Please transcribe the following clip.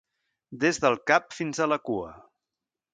Des del cap fins a la cua.